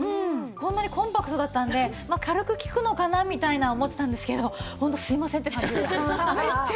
こんなにコンパクトだったので軽く効くのかなみたいな思ってたんですけどホントすいませんって感じ。